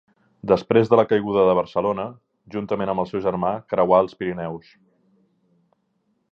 Després de la caiguda de Barcelona, juntament amb el seu germà creuà els Pirineus.